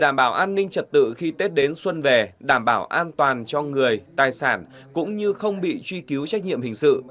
đảm bảo an ninh trật tự khi tết đến xuân về đảm bảo an toàn cho người tài sản cũng như không bị truy cứu trách nhiệm hình sự